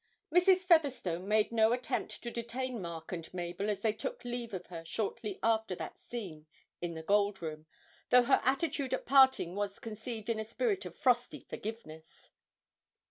Mrs. Featherstone made no attempt to detain Mark and Mabel as they took leave of her shortly after that scene in the Gold Room, though her attitude at parting was conceived in a spirit of frosty forgiveness.